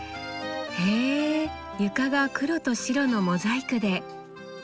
へえ床が黒と白のモザイクで。